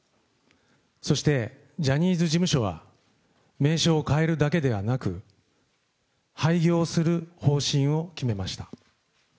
そしてジャニーズ事務所は、名称を変えるだけではなく、廃業する方針を決めました。